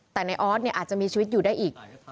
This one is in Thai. แต่ในออสอาจจะมีชีวิตอยู่ได้อีก